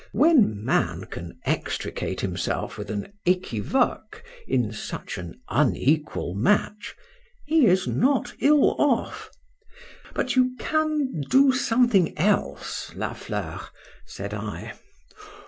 When man can extricate himself with an équivoque in such an unequal match,—he is not ill off.—But you can do something else, La Fleur? said I.